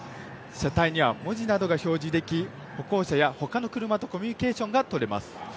車体には文字などが表示でき歩行者やほかの車などとコミュニケーションがとれます。